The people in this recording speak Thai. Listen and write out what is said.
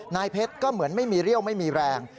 นายเพชรก็เหมือนไม่มีเรี่ยวไม่มีแรง